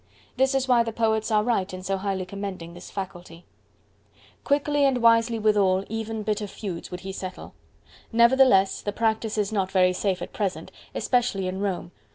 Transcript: This is why the Poets are right in so highly commending this faculty:— Quickly and wisely withal even bitter feuds would he settle. Nevertheless the practice is not very safe at present, especially in Rome.